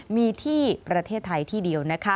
มีที่ประเทศไทยที่เดียวนะคะ